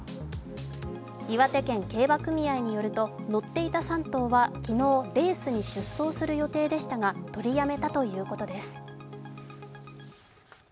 岩手県競馬組合によると乗っていた３頭は昨日、レースに出走する予定でしたが取りやめたということです。